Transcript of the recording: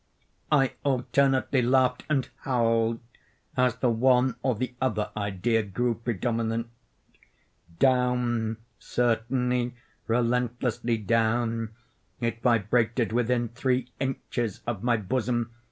I alternately laughed and howled as the one or the other idea grew predominant. Down—certainly, relentlessly down! It vibrated within three inches of my bosom!